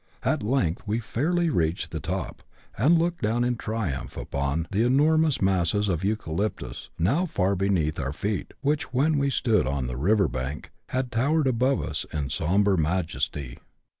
At length we fairly reached the tqp, and looked down in triumph upon the enormous masses of eucalyptus, now far beneath our feet, which, when we stood on the river bank, had towered above us in sombre majesty.